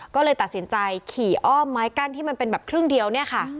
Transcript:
ก็เลยตัดสินใจขี่อ้อมไม้กั้นที่มันเป็นแบบครึ่งเดียวเนี่ยค่ะ